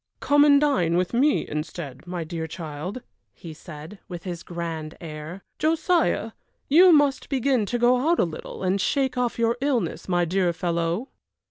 "Come and dine with me instead, my dear child," he said, with his grand air. "Josiah, you must begin to go out a little and shake off your illness, my dear fellow."